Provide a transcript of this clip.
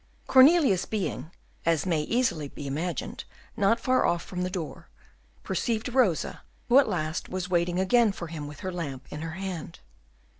Cornelius being, as may easily be imagined, not far off from the door, perceived Rosa, who at last was waiting again for him with her lamp in her hand.